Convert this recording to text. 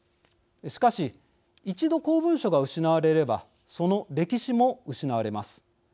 しかし一度、公文書が失われればその歴史も失われます。